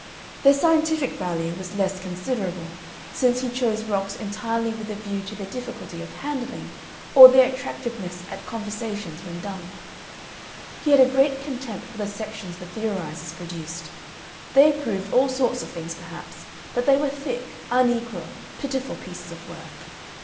Their scientific value was less considerable, since he chose rocks entirely with a view to their difficulty of handling or their attractiveness at conversaziones when done. He had a great contempt for the sections the "theorizers" produced. They proved all sorts of things perhaps, but they were thick, unequal, pitiful pieces of work.